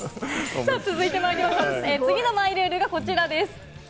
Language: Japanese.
次のマイルールがこちらです。